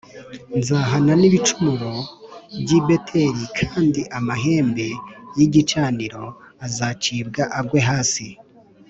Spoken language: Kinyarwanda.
nzahana n’ibicaniro by’i Beteli, kandi amahembe y’igicaniro azacibwa agwe hasi